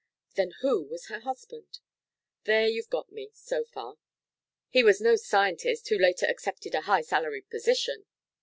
"Then who was her husband?" "There you've got me so far. He was no 'scientist, who later accepted a high salaried position.'